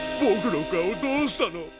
僕の顔どうしたの？